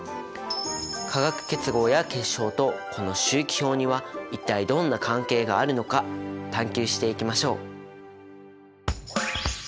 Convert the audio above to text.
化学結合や結晶とこの周期表には一体どんな関係があるのか探究していきましょう！